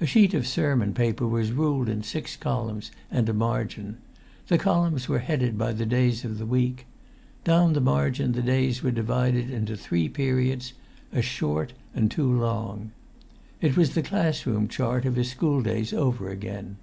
A sheet of sermon paper was ruled in six columns and a margin; the columns were headed by the days of the week; down the margin the days were divided into three periods, a short and two long; it was the class room chart of his school days over again.